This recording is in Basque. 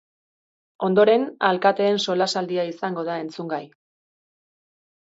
Ondoren, alkateen solasaldia izango da entzungai.